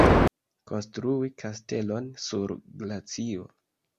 Konstrui kastelon sur glacio.